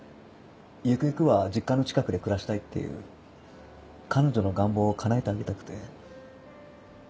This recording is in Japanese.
ゆくゆくは実家の近くで暮らしたいっていう彼女の願望をかなえてあげたくて。